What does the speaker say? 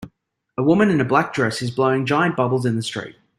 A woman in a black dress is blowing giant bubbles in the street.